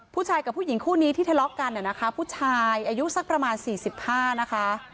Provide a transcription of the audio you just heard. ผู้หญิงกับผู้หญิงคู่นี้ที่ทะเลาะกันนะคะผู้ชายอายุสักประมาณ๔๕นะคะ